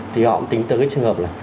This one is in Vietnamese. thì họ cũng tính tới cái trường hợp là